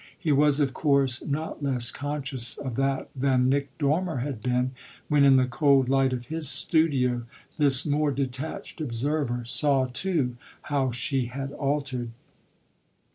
He was of course not less conscious of that than Nick Dormer had been when in the cold light of his studio this more detached observer saw too how she had altered.